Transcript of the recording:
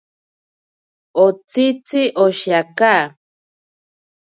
Otsitzi oshiaka.